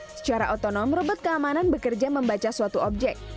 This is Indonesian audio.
secara otonom robot keamanan bekerja membaca suatu objek